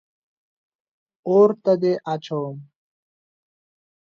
اور ته دې اچوم.